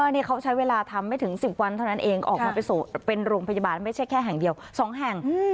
นี่เขาใช้เวลาทำไม่ถึง๑๐วันเท่านั้นเองออกมาเป็นโรงพยาบาลไม่ใช่แค่แห่งเดียว๒แห่ง